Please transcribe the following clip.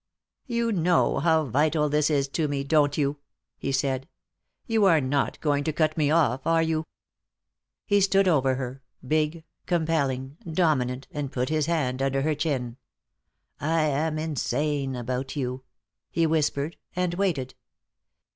"You know how vital this is to me, don't you?" he said. "You're not going to cut me off, are you?" He stood over her, big, compelling, dominant, and put his hand under her chin. "I am insane about you," he whispered, and waited.